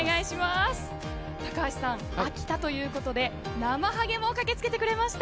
高橋さん、秋田ということでなまはげも駆けつけてくれました。